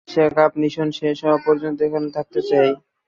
বাংলাদেশের আগামী Asia cup mission শেষ হওয়া পর্যন্ত এখানে থাকতে চাই।